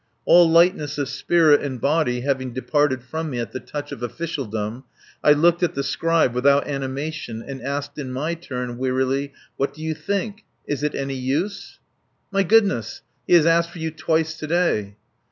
All lightness of spirit and body having departed from me at the touch of officialdom, I looked at the scribe without animation and asked in my turn wearily: "What do you think? Is it any use?" "My goodness! He has asked for you twice today."